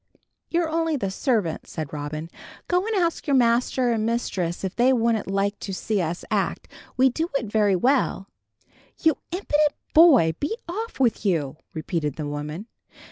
"You're only the servant," said Robin. "Go and ask your master and mistress if they wouldn't like to see us act. We do it very well." "You impudent boy, be off with you!" repeated the woman.